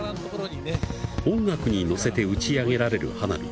音楽に乗せて打ち上げられる花火。